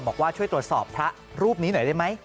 บอกว่าช่วยตรวจสอบพระรูปนี้หน่อยได้ไหม